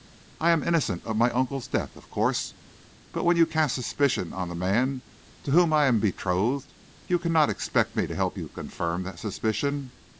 I am innocent of my uncle's death, of course, but when you cast suspicion on the man to whom I am betrothed, you cannot expect me to help you confirm that suspicion.